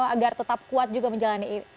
agar tetap kuat juga menjalani